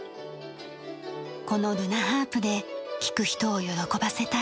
このルナ・ハープで聴く人を喜ばせたい。